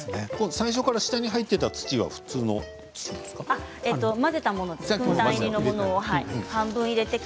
最初から下に入っていた土は普通のものですか？